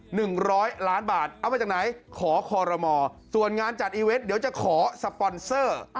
หนึ่งร้อยล้านบาทเอามาจากไหนขอคอรมอส่วนงานจัดอีเวนต์เดี๋ยวจะขอสปอนเซอร์